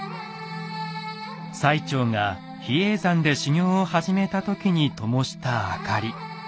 最澄が比叡山で修行を始めた時にともした灯り。